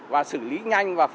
và xử lý nhanh